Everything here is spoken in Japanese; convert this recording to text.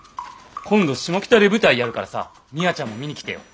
今度シモキタで舞台やるからさミワちゃんも見に来てよ。